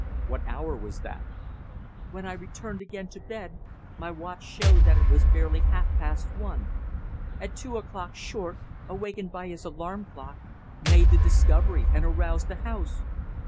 "What hour was that?" "When I retired again to bed my watch showed that it was barely half past one. At two o'clock Short, awakened by his alarum clock, made the discovery and aroused the house.